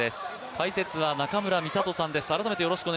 解説は中村美里さんです。